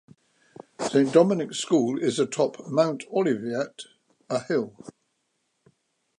Saint Dominic's School is atop Mount Oliviet, a hill.